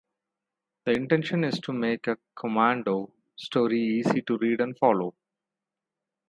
The intention is to make a "Commando" story easy to read and follow.